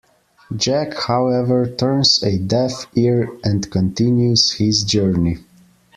Jack however turns a deaf ear and continues his journey.